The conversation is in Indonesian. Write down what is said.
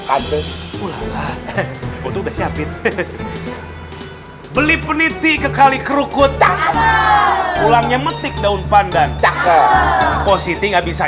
nanti udah siapin beli peniti ke kali kerukut pulangnya metik daun pandan tak ke positi nggak bisa